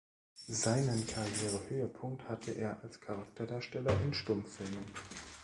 Seinen Karriere-Höhepunkt hatte er als Charakterdarsteller in Stummfilmen.